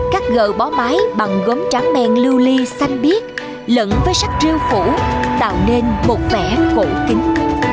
các gỡ bó máy bằng gốm tráng men lưu ly xanh biếc lẫn với sắc riêu phủ tạo nên một vẻ cổ kính